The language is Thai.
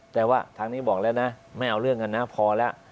แต่ว่าทางนี้บอกแล้วนะไม่เอาเรื่องกันนะพอแล้ว